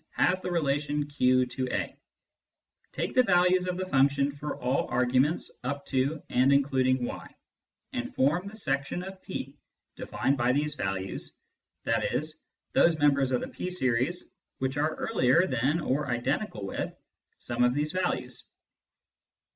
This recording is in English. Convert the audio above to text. has the relation Q to a), take the values of the function for all arguments up to and including y, and form the section of P defined by these values, i.e. those members of the P series which are earlier than or identical with some of these values.